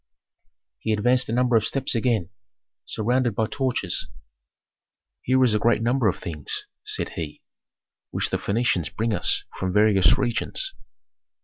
He advanced a number of steps again, surrounded by torches. "Here is a great number of things," said he, "which the Phœnicians bring us from various regions.